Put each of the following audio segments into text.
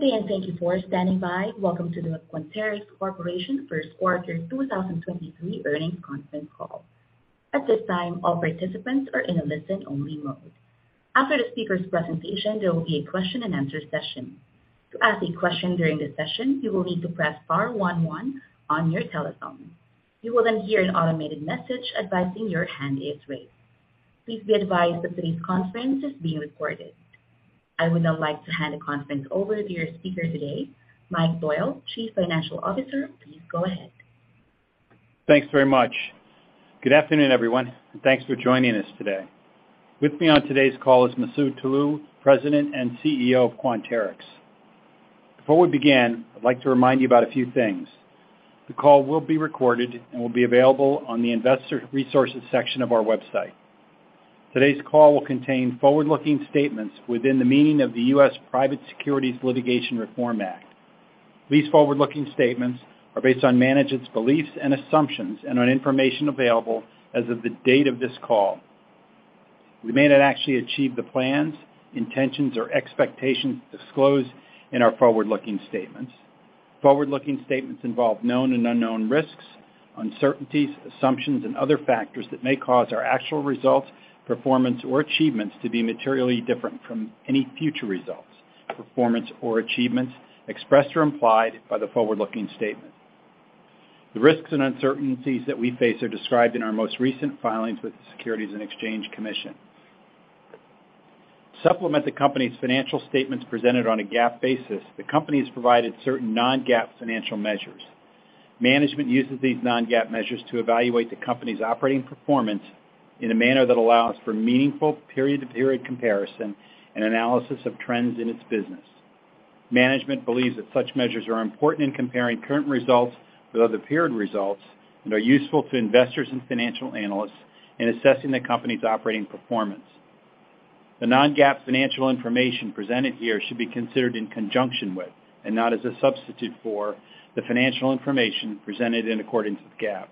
Good day, and thank you for standing by. Welcome to the Quanterix Corporation First Quarter 2023 Earnings Conference Call. At this time, all participants are in a listen-only mode. After the speaker's presentation, there will be a question-and-answer session. To ask a question during the session, you will need to press star one one on your telephone. You will then hear an automated message advising your hand is raised. Please be advised that today's conference is being recorded. I would now like to hand the conference over to your speaker today, Mike Doyle, Chief Financial Officer. Please go ahead. Thanks very much. Good afternoon, everyone, and thanks for joining us today. With me on today's call is Masoud Toloue, President and CEO of Quanterix. Before we begin, I'd like to remind you about a few things. The call will be recorded and will be available on the investor resources section of our website. Today's call will contain forward-looking statements within the meaning of the U.S. Private Securities Litigation Reform Act. These forward-looking statements are based on management's beliefs and assumptions and on information available as of the date of this call. We may not actually achieve the plans, intentions, or expectations disclosed in our forward-looking statements. Forward-looking statements involve known and unknown risks, uncertainties, assumptions, and other factors that may cause our actual results, performance, or achievements to be materially different from any future results, performance or achievements expressed or implied by the forward-looking statement. The risks and uncertainties that we face are described in our most recent filings with the Securities and Exchange Commission. To supplement the company's financial statements presented on a GAAP basis, the company's provided certain non-GAAP financial measures. Management uses these non-GAAP measures to evaluate the company's operating performance in a manner that allows for meaningful period-to-period comparison and analysis of trends in its business. Management believes that such measures are important in comparing current results with other period results and are useful to investors and financial analysts in assessing the company's operating performance. The non-GAAP financial information presented here should be considered in conjunction with, and not as a substitute for, the financial information presented in accordance with GAAP.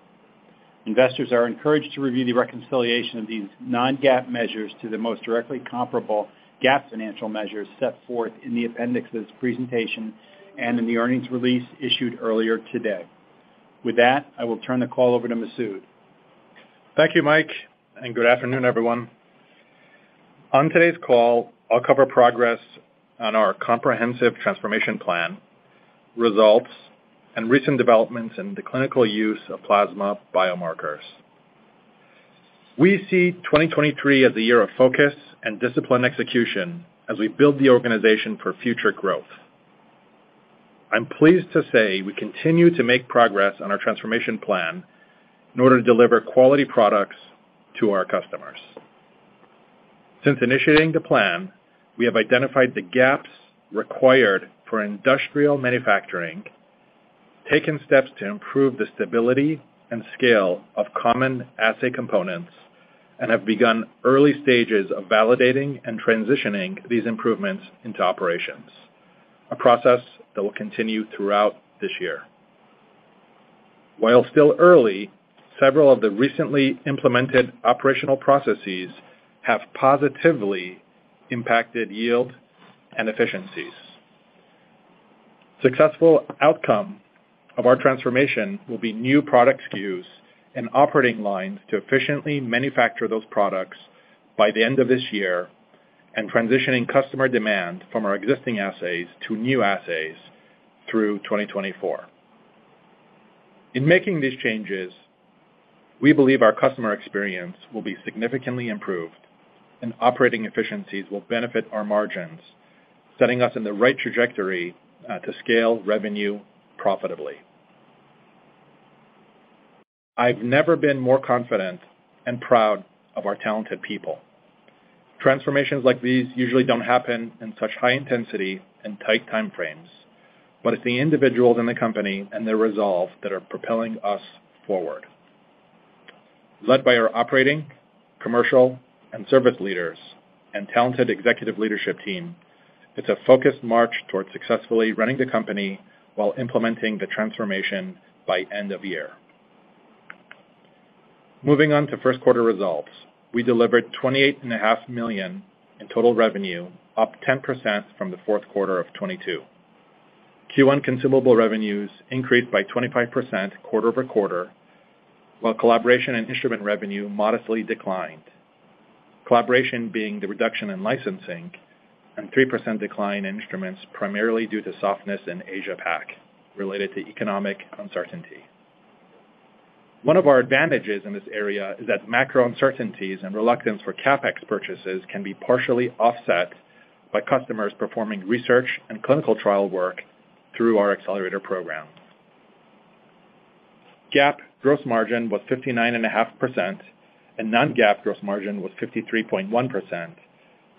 Investors are encouraged to review the reconciliation of these non-GAAP measures to the most directly comparable GAAP financial measures set forth in the appendix of this presentation and in the earnings release issued earlier today. I will turn the call over to Masoud. Thank you, Mike. Good afternoon, everyone. On today's call, I'll cover progress on our comprehensive transformation plan, results, and recent developments in the clinical use of plasma biomarkers. We see 2023 as a year of focus and disciplined execution as we build the organization for future growth. I'm pleased to say we continue to make progress on our transformation plan in order to deliver quality products to our customers. Since initiating the plan, we have identified the gaps required for industrial manufacturing, taken steps to improve the stability and scale of common assay components, and have begun early stages of validating and transitioning these improvements into operations, a process that will continue throughout this year. While still early, several of the recently implemented operational processes have positively impacted yield and efficiencies. Successful outcome of our transformation will be new product SKUs and operating lines to efficiently manufacture those products by the end of this year and transitioning customer demand from our existing assays to new assays through 2024. In making these changes, we believe our customer experience will be significantly improved and operating efficiencies will benefit our margins, setting us in the right trajectory to scale revenue profitably. I've never been more confident and proud of our talented people. Transformations like these usually don't happen in such high intensity and tight time frames, but it's the individuals in the company and their resolve that are propelling us forward. Led by our operating, commercial, and service leaders and talented executive leadership team, it's a focused march towards successfully running the company while implementing the transformation by end of year. Moving on to first quarter results. We delivered $28.5 million in total revenue, up 10% from the fourth quarter of 2022. Q1 consumable revenues increased by 25% quarter-over-quarter, while collaboration and instrument revenue modestly declined. Collaboration being the reduction in licensing and 3% decline in instruments primarily due to softness in Asia Pac related to economic uncertainty. One of our advantages in this area is that macro uncertainties and reluctance for CapEx purchases can be partially offset by customers performing research and clinical trial work through our Accelerator program. GAAP gross margin was 59.5%, non-GAAP gross margin was 53.1%,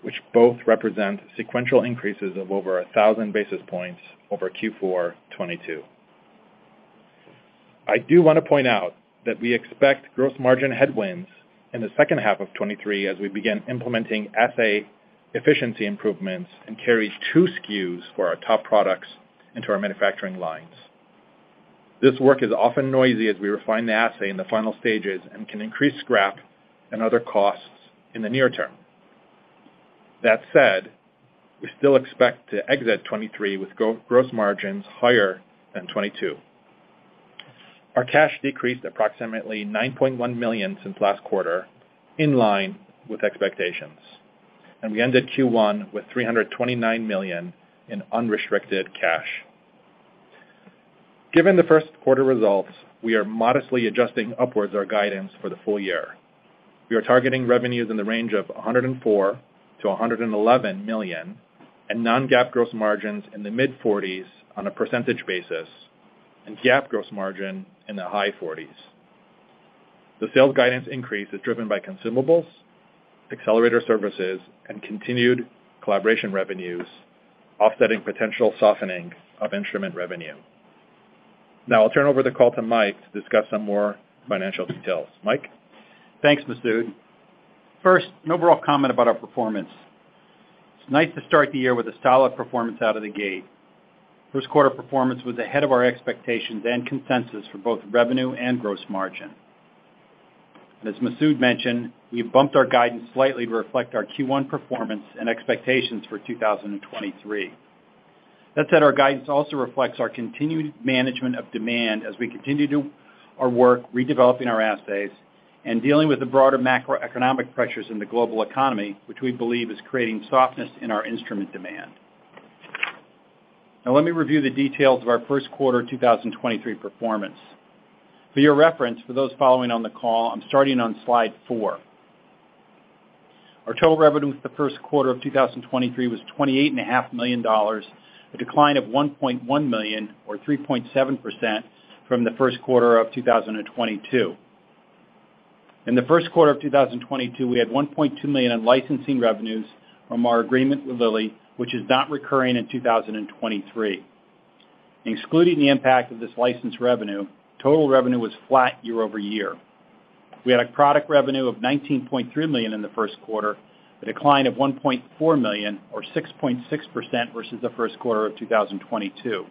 which both represent sequential increases of over 1,000 basis points over Q4 2022. I do wanna point out that we expect gross margin headwinds in the second half of 2023 as we begin implementing assay efficiency improvements and carry 2 SKUs for our top products into our manufacturing lines. This work is often noisy as we refine the assay in the final stages and can increase scrap and other costs in the near term. That said, we still expect to exit 2023 with gross margins higher than 2022. Our cash decreased approximately $9.1 million since last quarter, in line with expectations. We ended Q1 with $329 million in unrestricted cash. Given the first quarter results, we are modestly adjusting upwards our guidance for the full year. We are targeting revenues in the range of $104 million-$111 million, and non-GAAP gross margins in the mid-40s on a percentage basis, and GAAP gross margin in the high 40s. The sales guidance increase is driven by consumables, Accelerator services, and continued collaboration revenues, offsetting potential softening of instrument revenue. I'll turn over the call to Mike to discuss some more financial details. Mike? Thanks, Masoud. First, an overall comment about our performance. It's nice to start the year with a solid performance out of the gate. First quarter performance was ahead of our expectations and consensus for both revenue and gross margin. As Masoud mentioned, we have bumped our guidance slightly to reflect our Q1 performance and expectations for 2023. That said, our guidance also reflects our continued management of demand as we continue to our work redeveloping our assays and dealing with the broader macroeconomic pressures in the global economy, which we believe is creating softness in our instrument demand. Let me review the details of our first quarter 2023 performance. For your reference, for those following on the call, I'm starting on slide four. Our total revenue for the first quarter of 2023 was twenty-eight and a half million dollars, a decline of $1.1 million or 3.7% from the first quarter of 2022. In the first quarter of 2022, we had $1.2 million in licensing revenues from our agreement with Lilly, which is not recurring in 2023. Excluding the impact of this license revenue, total revenue was flat year-over-year. We had a product revenue of $19.3 million in the first quarter, a decline of $1.4 million or 6.6% versus the first quarter of 2022.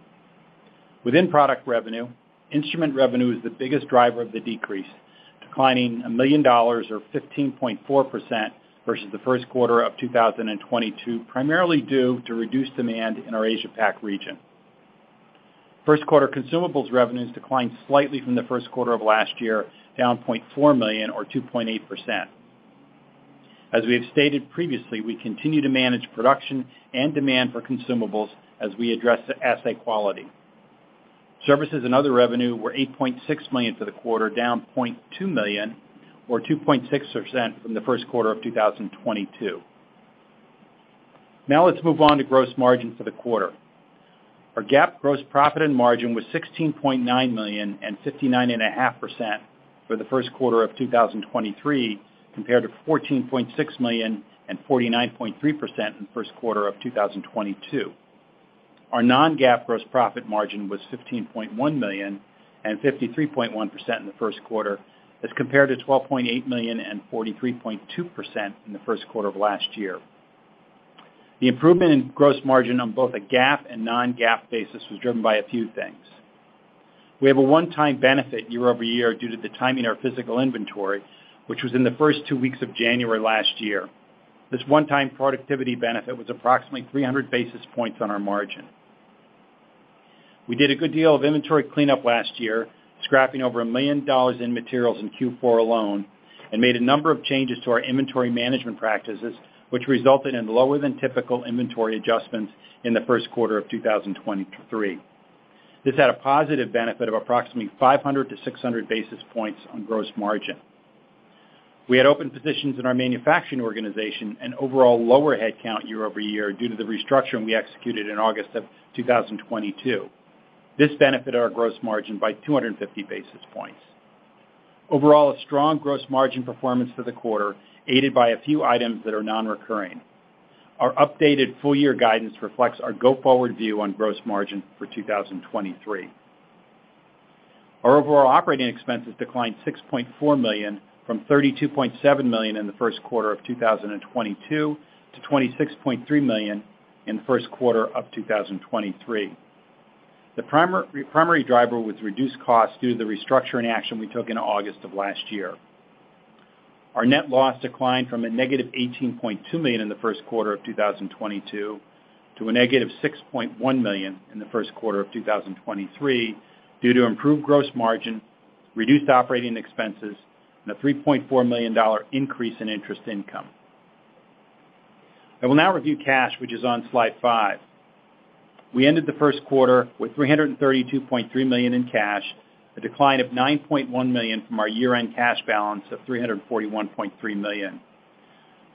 Within product revenue, instrument revenue is the biggest driver of the decrease, declining $1 million or 15.4% versus the first quarter of 2022, primarily due to reduced demand in our Asia Pac region. First quarter consumables revenues declined slightly from the first quarter of last year, down $0.4 million or 2.8%. We have stated previously, we continue to manage production and demand for consumables as we address the assay quality. Services and other revenue were $8.6 million for the quarter, down $0.2 million or 2.6% from the first quarter of 2022. Let's move on to gross margin for the quarter. Our GAAP gross profit and margin was $16.9 million and 59.5% for the first quarter of 2023, compared to $14.6 million and 49.3% in the first quarter of 2022. Our non-GAAP gross profit margin was $15.1 million and 53.1% in the first quarter as compared to $12.8 million and 43.2% in the first quarter of last year. The improvement in gross margin on both a GAAP and non-GAAP basis was driven by a few things. We have a one-time benefit year-over-year due to the timing our physical inventory, which was in the first 2 weeks of January last year. This one-time productivity benefit was approximately 300 basis points on our margin. We did a good deal of inventory cleanup last year, scrapping over $1 million in materials in Q4 alone, and made a number of changes to our inventory management practices, which resulted in lower than typical inventory adjustments in the first quarter of 2023. This had a positive benefit of approximately 500 to 600 basis points on gross margin. We had open positions in our manufacturing organization and overall lower headcount year over year due to the restructuring we executed in August of 2022. This benefited our gross margin by 250 basis points. Overall, a strong gross margin performance for the quarter, aided by a few items that are non-recurring. Our updated full year guidance reflects our go-forward view on gross margin for 2023. Our overall operating expenses declined $6.4 million from $32.7 million in the first quarter of 2022 to $26.3 million in the first quarter of 2023. The primary driver was reduced costs due to the restructuring action we took in August of last year. Our net loss declined from -$18.2 million in the first quarter of 2022 to -$6.1 million in the first quarter of 2023 due to improved gross margin, reduced operating expenses, and a $3.4 million increase in interest income. I will now review cash, which is on slide 5. We ended the first quarter with $332.3 million in cash, a decline of $9.1 million from our year-end cash balance of $341.3 million.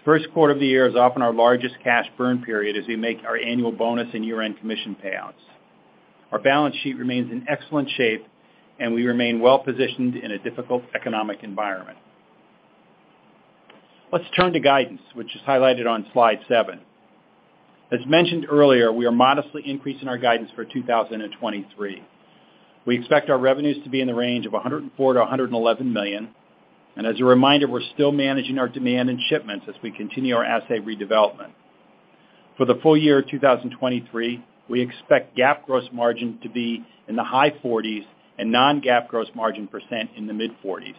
First quarter of the year is often our largest cash burn period as we make our annual bonus and year-end commission payouts. Our balance sheet remains in excellent shape, and we remain well positioned in a difficult economic environment. Let's turn to guidance, which is highlighted on slide seven. As mentioned earlier, we are modestly increasing our guidance for 2023. We expect our revenues to be in the range of $104 million-$111 million. As a reminder, we're still managing our demand and shipments as we continue our assay redevelopment. For the full year 2023, we expect GAAP gross margin to be in the high forties and non-GAAP gross margin percent in the mid-forties.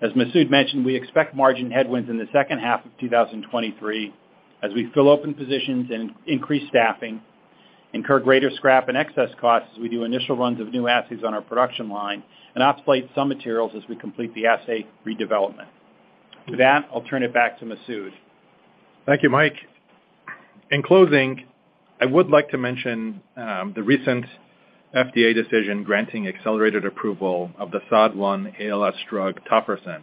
As Masoud mentioned, we expect margin headwinds in the second half of 2023 as we fill open positions and increase staffing, incur greater scrap and excess costs as we do initial runs of new assays on our production line, and obsolete some materials as we complete the assay redevelopment. With that, I'll turn it back to Masoud. Thank you, Mike. In closing, I would like to mention the recent FDA decision granting accelerated approval of the SOD1-ALS drug tofersen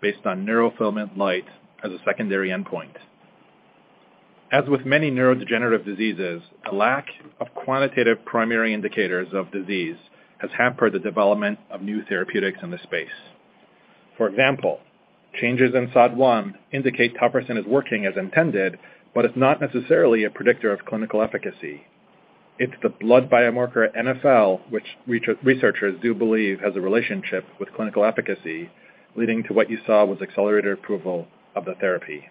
based on neurofilament light as a secondary endpoint. As with many neurodegenerative diseases, a lack of quantitative primary indicators of disease has hampered the development of new therapeutics in this space. For example, changes in SOD1 indicate tofersen is working as intended, but it's not necessarily a predictor of clinical efficacy. It's the blood biomarker NFL, which researchers do believe has a relationship with clinical efficacy, leading to what you saw was accelerated approval of the therapy.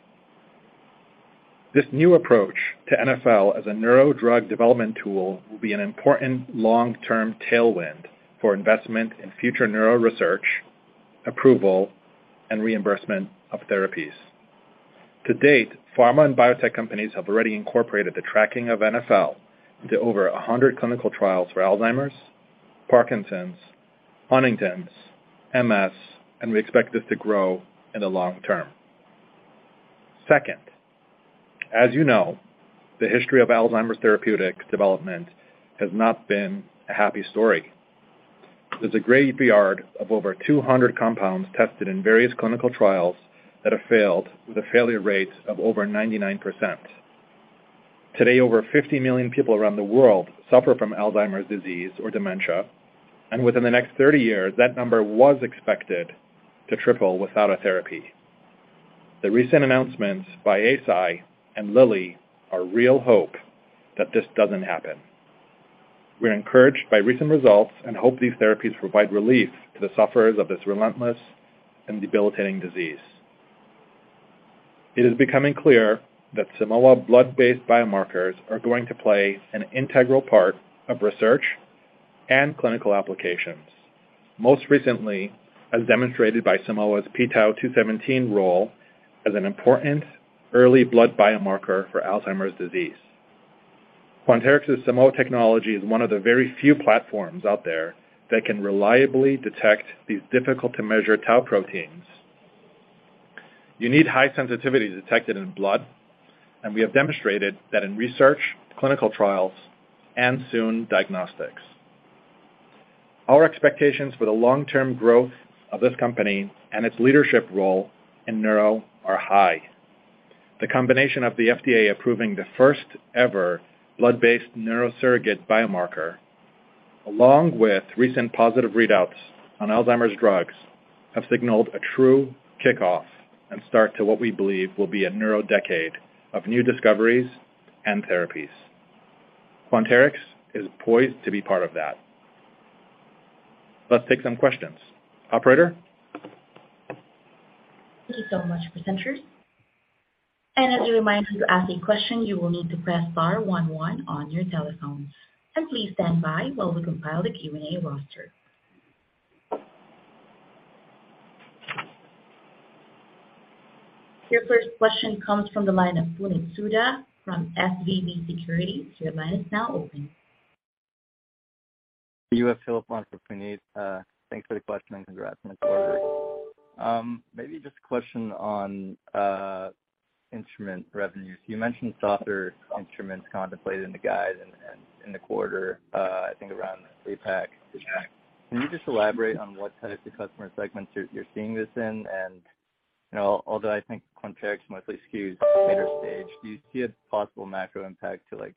This new approach to NFL as a neuro drug development tool will be an important long-term tailwind for investment in future neuro research, approval, and reimbursement of therapies. To date, pharma and biotech companies have already incorporated the tracking of NfL into over 100 clinical trials for Alzheimer's, Parkinson's, Huntington's, MS. We expect this to grow in the long term. Second, as you know, the history of Alzheimer's therapeutic development has not been a happy story. There's a graveyard of over 200 compounds tested in various clinical trials that have failed with a failure rate of over 99%. Today, over 50 million people around the world suffer from Alzheimer's disease or dementia. Within the next 30 years, that number was expected to triple without a therapy. The recent announcements by Eisai and Lilly are real hope that this doesn't happen. We're encouraged by recent results and hope these therapies provide relief to the sufferers of this relentless and debilitating disease. It is becoming clear that Simoa blood-based biomarkers are going to play an integral part of research and clinical applications. Most recently, as demonstrated by Simoa's p-Tau 217 role as an important early blood biomarker for Alzheimer's disease. Quanterix's Simoa technology is one of the very few platforms out there that can reliably detect these difficult-to-measure tau proteins. You need high sensitivity to detect it in blood, and we have demonstrated that in research, clinical trials, and soon diagnostics. Our expectations for the long-term growth of this company and its leadership role in neuro are high. The combination of the FDA approving the first-ever blood-based neuro surrogate biomarker, along with recent positive readouts on Alzheimer's drugs, have signaled a true kickoff and start to what we believe will be a neuro decade of new discoveries and therapies. Quanterix is poised to be part of that. Let's take some questions. Operator? Thank you so much, presenters. As a reminder, to ask a question, you will need to press star one one on your telephone. Please stand by while we compile the Q&A roster. Your first question comes from the line of Puneet Souda from SVB Securities. Your line is now open. The US Phillips line for Puneet. Thanks for the question and congrats on the quarter. Maybe just a question on instrument revenues. You mentioned softer instruments contemplated in the guide and in the quarter, I think around the APAC impact. Can you just elaborate on what types of customer segments you're seeing this in? You know, although I think Quanterix mostly skews later stage, do you see a possible macro impact to, like,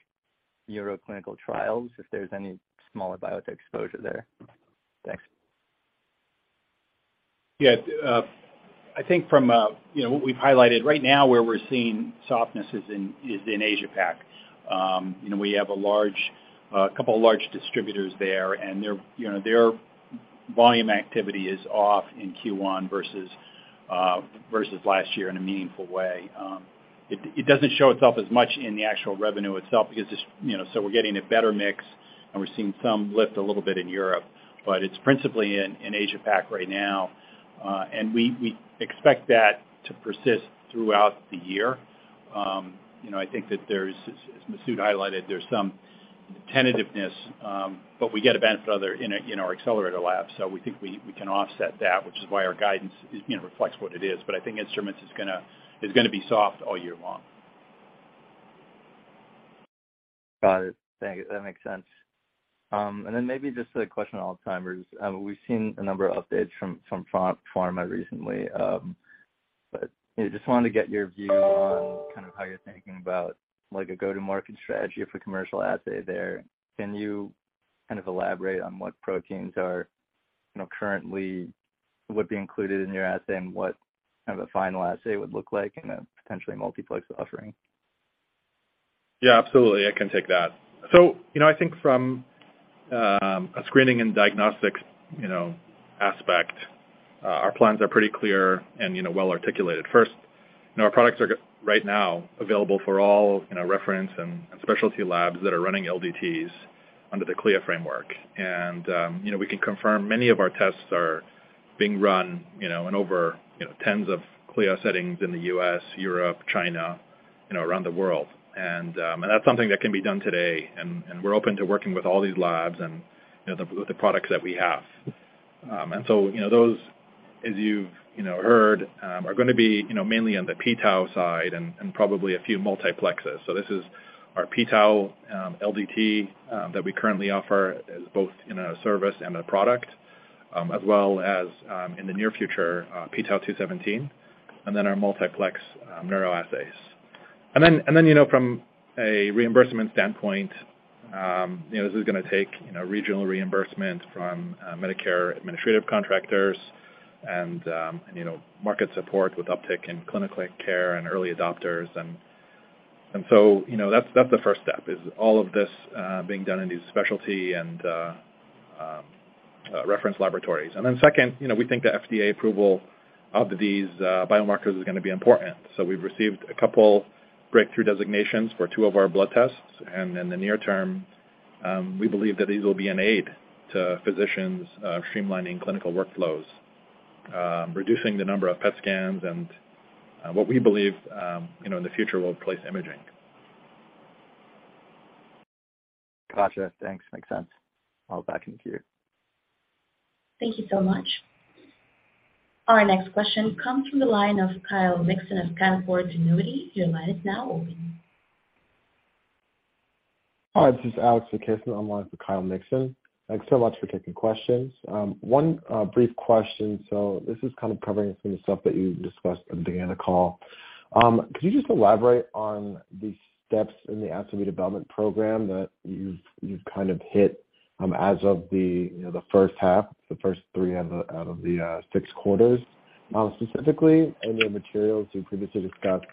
neuro clinical trials if there's any smaller biotech exposure there? Thanks. Yeah. I think from, you know, what we've highlighted right now where we're seeing softness is in, is in Asia Pac. You know, we have a large, a couple of large distributors there, and their, you know, their volume activity is off in Q1 versus last year in a meaningful way. It doesn't show itself as much in the actual revenue itself because it's, you know, so we're getting a better mix, and we're seeing some lift a little bit in Europe. It's principally in Asia Pac right now. We, we expect that to persist throughout the year. You know, I think that there's, as Masoud highlighted, there's some tentativeness, but we get a benefit other in a, in our Accelerator labs. We think we can offset that, which is why our guidance is, you know, reflects what it is. I think instruments is gonna be soft all year long. Got it. Thanks. That makes sense. Then maybe just a question on Alzheimer's. We've seen a number of updates from pharma recently. You know, just wanted to get your view on kind of how you're thinking about, like, a go-to-market strategy of a commercial assay there. Can you kind of elaborate on what proteins are, you know, currently would be included in your assay, and what kind of a final assay would look like in a potentially multiplex offering? Yeah, absolutely. I can take that. You know, I think a screening and diagnostic, you know, aspect, our plans are pretty clear and, you know, well-articulated. First, you know, our products are right now available for all, you know, reference and specialty labs that are running LDTs under the CLIA framework. You know, we can confirm many of our tests are being run, you know, in over, you know, tens of CLIA settings in the U.S., Europe, China, you know, around the world. That's something that can be done today, and we're open to working with all these labs and, you know, the products that we have. You know, those, as you've, you know, heard, are gonna be, you know, mainly on the p-Tau side and probably a few multiplexers. This is our p-Tau LDT that we currently offer as both in a service and a product, as well as in the near future, p-Tau 217, and then our multiplex neuroassays. You know, from a reimbursement standpoint, you know, this is gonna take, you know, regional reimbursement from Medicare Administrative Contractors and market support with uptick in clinical care and early adopters. You know, that's the first step, is all of this being done in these specialty and reference laboratories. Second, you know, we think the FDA approval of these biomarkers is gonna be important. We've received a couple Breakthrough Device designations for two of our blood tests. In the near term, we believe that these will be an aid to physicians, streamlining clinical workflows, reducing the number of PET scans and, what we believe, you know, in the future will replace imaging. Gotcha. Thanks. Makes sense. I'll back it to you. Thank you so much. Our next question comes from the line of Kyle Mikson of Canaccord Genuity. Your line is now open. Hi, this is Alex Kealey. I'm on the line for Kyle Mikson. Thanks so much for taking questions. One brief question. This is kind of covering some of the stuff that you discussed at the beginning of the call. Could you just elaborate on the steps in the assay development program that you've kind of hit, as of the, you know, the first half, the first three out of the six quarters? In your materials, you previously discussed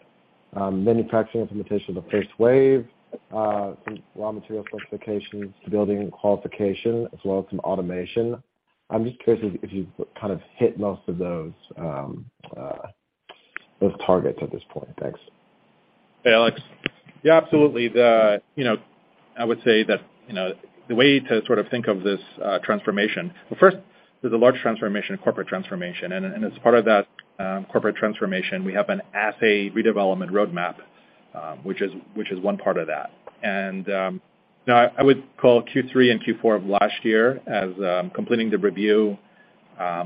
manufacturing implementation of the first wave, some raw material specifications, building qualification, as well as some automation. I'm just curious if you've kind of hit most of those targets at this point. Thanks. Hey, Alex. Yeah, absolutely. The, you know, I would say that, you know, the way to sort of think of this transformation. Well, first, there's a large transformation, a corporate transformation. As part of that corporate transformation, we have an assay redevelopment roadmap, which is one part of that. You know, I would call Q3 and Q4 of last year as completing the review,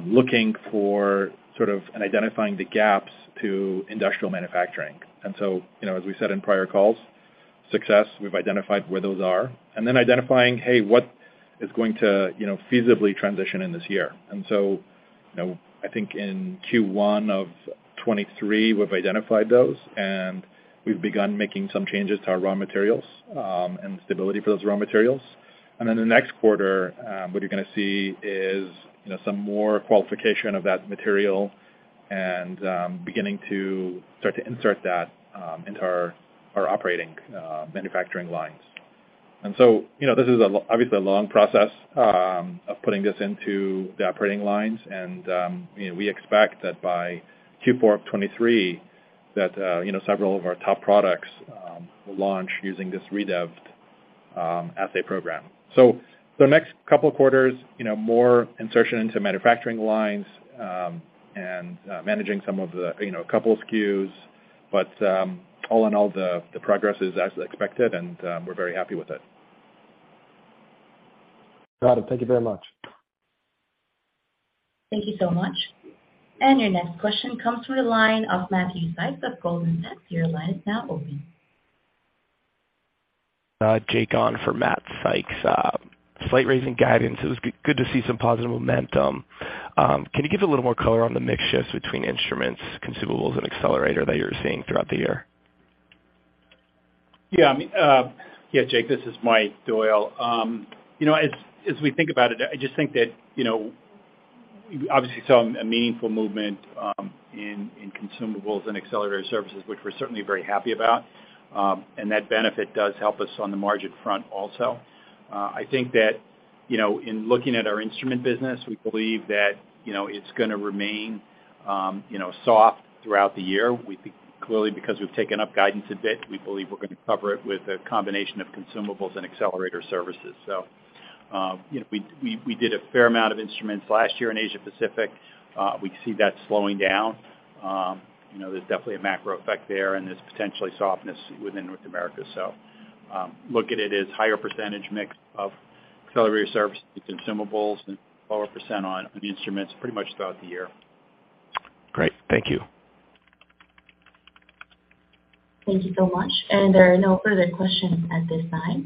looking for sort of and identifying the gaps to industrial manufacturing. You know, as we said in prior calls, success, we've identified where those are. Identifying, hey, what is going to, you know, feasibly transition in this year. You know, I think in Q1 of 2023, we've identified those, and we've begun making some changes to our raw materials, and the stability for those raw materials. In the next quarter, what you're gonna see is, you know, some more qualification of that material and beginning to start to insert that into our operating manufacturing lines. You know, this is obviously a long process of putting this into the operating lines. You know, we expect that by Q4 of 2023, that, you know, several of our top products will launch using this redev assay program. The next couple quarters, you know, more insertion into manufacturing lines, and managing some of the, you know, couple SKUs. All in all, the progress is as expected and we're very happy with it. Got it. Thank you very much. Thank you so much. Your next question comes from the line of Matthew Sykes of Goldman Sachs. Your line is now open. Jake on for Matthew Sykes. Slight raise in guidance. It was good to see some positive momentum. Can you give a little more color on the mix shifts between instruments, consumables and Accelerator that you're seeing throughout the year? Yeah. I mean, Yeah, Jake, this is Mike Doyle. You know, as we think about it, I just think that, you know, we obviously saw a meaningful movement in consumables and Accelerator services, which we're certainly very happy about. That benefit does help us on the margin front also. I think that, you know, in looking at our instrument business, we believe that, you know, it's gonna remain soft throughout the year. We clearly, because we've taken up guidance a bit, we believe we're gonna cover it with a combination of consumables and Accelerator services. You know, we did a fair amount of instruments last year in Asia Pacific. We see that slowing down. You know, there's definitely a macro effect there, and there's potentially softness within North America. Look at it as higher % mix of Accelerator services and consumables and lower % on the instruments pretty much throughout the year. Great. Thank you. Thank you so much. There are no further questions at this time.